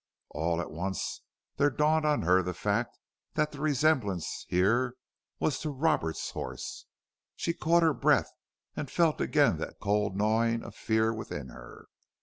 All at once there dawned on her the fact that the resemblance here was to Roberts's horse. She caught her breath and felt again that cold gnawing of fear within her.